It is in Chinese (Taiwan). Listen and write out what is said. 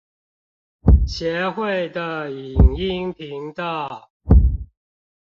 協會的影音頻道